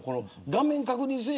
画面、確認せえ